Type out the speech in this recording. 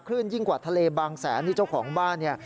ยิ่งกว่าทะเลบางแสนที่เจ้าของบ้านเนี่ย